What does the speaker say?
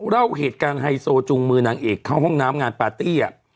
เล่าเหตุการณ์ไฮโซจุงมือนางเอกเข้าห้องน้ำงานปาร์ตี้